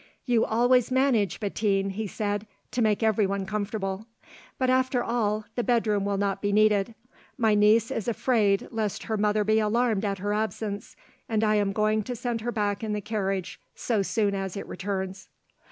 "You always manage, Bettine," he said, "to make everyone comfortable; but after all the bedroom will not be needed. My niece is afraid lest her mother be alarmed at her absence, and I am going to send her back in the carriage so soon as it returns."